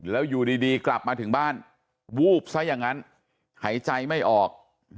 แล้วอยู่ดีกลับมาถึงบ้านวูบซะอย่างนั้นหายใจไม่ออก